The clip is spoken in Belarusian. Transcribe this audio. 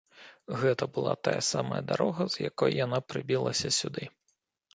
Гэта была тая самая дарога, з якой яна прыбілася сюды.